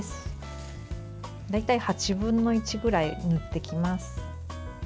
大体８分の１くらい塗っていきます。